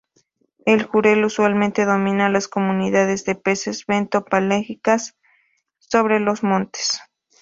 El jurel usualmente domina las comunidades de peces bento-pelágicas sobre los montes.